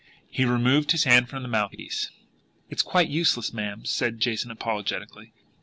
He removed his hand from the mouthpiece. "It's quite useless, ma'am," said Jason apologetically.